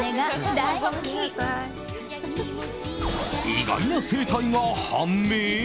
意外な生態が判明？